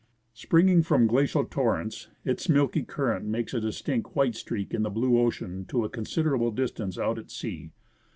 Springing from glacier torrents, its milky current makes a distinct white streak in the blue ocean to a considerable distance out at sea.